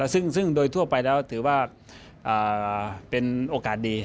ซึ่งโดยทั่วไปแล้วถือว่าเป็นโอกาสดี